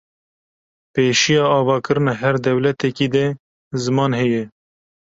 pêşiya avakirina her dewletêkî de ziman heye